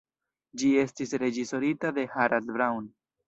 Ĝi estis reĝisorita de Harald Braun.